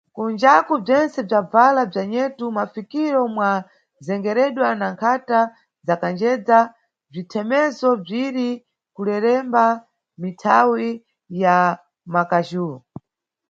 Kunjaku bzentse bzabvala bza nyetu, mʼmafikiro mwa zengereredwa na nkhata za kanjedza, bzithemezo bziri kuleremba mʼmithawi ya mʼmakaju.